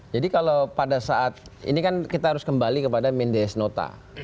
jadi kalau pada saat ini kan kita harus kembali kepada mendes nota